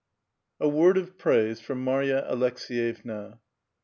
A WORD OF PRAISE FOR MARYA ALEKSliYEVNA.